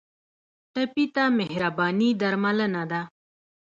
ټپي ته مهرباني درملنه ده.